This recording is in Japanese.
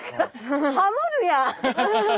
ハモるやん！